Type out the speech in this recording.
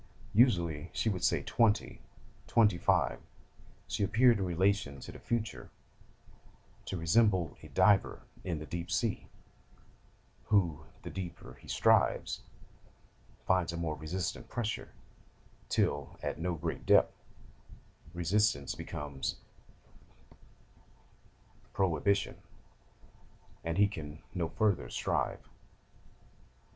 Usually, she would say twenty, twenty five. She appeared, in relation to the future, to resemble a diver in the deep sea, who, the deeper he strives, finds a more resistant pressure, till, at no great depth, resistance becomes prohibition, and he can no further strive.